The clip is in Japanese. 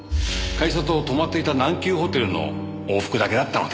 会社と泊まっていた南急ホテルの往復だけだったので。